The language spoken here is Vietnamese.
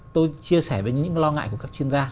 tôi chia sẻ với những lo ngại của các chuyên gia